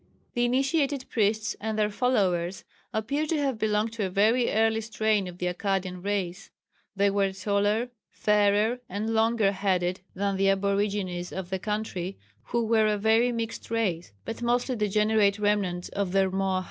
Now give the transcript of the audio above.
The initiated priests and their followers appear to have belonged to a very early strain of the Akkadian race they were taller, fairer, and longer headed than the aborigines of the country, who were a very mixed race, but mostly degenerate remnants of the Rmoahals.